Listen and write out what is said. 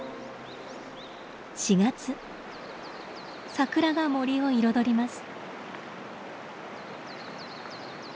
サクラが森を彩ります。